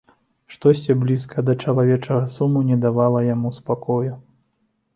Штосьці блізкае да чалавечага суму не давала яму спакою.